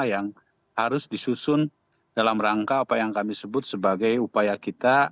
yang harus disusun dalam rangka apa yang kami sebut sebagai upaya kita